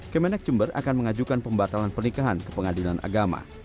kemenek jember akan mengajukan pembatalan pernikahan ke pengadilan agama